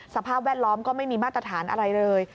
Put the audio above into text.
แวดล้อมก็ไม่มีมาตรฐานอะไรเลย